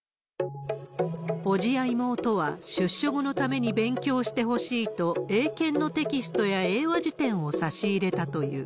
伯父や妹は、出所後のために勉強してほしいと、英検のテキストや英和辞典を差し入れたという。